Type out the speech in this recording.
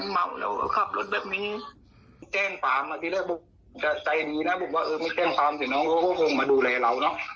ไม่แจ้งฟาร์มสิน้องเขาก็คงมาดูแลเราเนอะ